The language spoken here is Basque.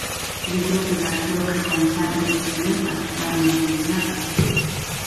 Literatura arkeologikoan sarri aipatzen den aztarnategia da.